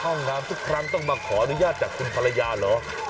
ห้องน้ำทุกครั้งต้องมาขออนุญาตจากคุณภรรยาเหรอ